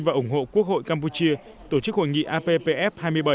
và ủng hộ quốc hội campuchia tổ chức hội nghị appf hai mươi bảy